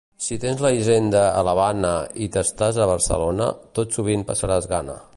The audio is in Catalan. Si tens la hisenda a l'Havana i t'estàs a Barcelona, tot sovint passaràs gana.